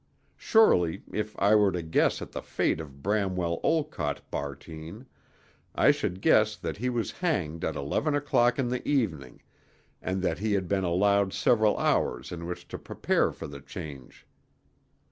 Surely, if I were to guess at the fate of Bramwell Olcott Bartine, I should guess that he was hanged at eleven o'clock in the evening, and that he had been allowed several hours in which to prepare for the change.